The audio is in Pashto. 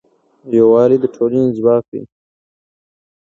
یووالی د ټولنې ځواک دی.